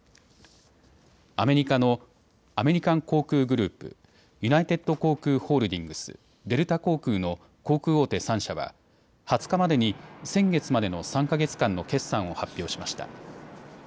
アメリカのアメリカン航空グループ、ユナイテッド航空ホールディングス、デルタ航空の航空大手３社は２０日までに先月までの３か月間の決算を発表しました。